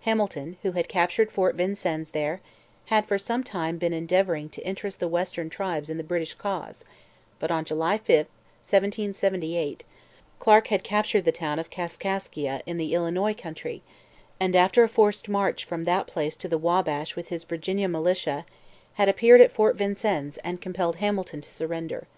Hamilton, who had captured Fort Vincennes there, had for some time been endeavouring to interest the western tribes in the British cause; but, on July 5, 1778, Clark had captured the town of Kaskaskia in the Illinois country, and, after a forced march from that place to the Wabash with his Virginia militia, had appeared at Fort Vincennes and compelled Hamilton to surrender.